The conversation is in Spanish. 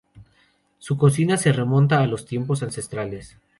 Su cocina se remonta a los tiempos ancestrales.